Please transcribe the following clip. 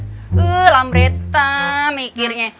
itu lamretan mikirnya